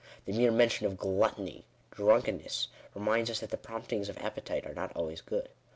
The mere mention of " gluttony/' " drunkenness," reminds us that the promptings of appetite are not always good.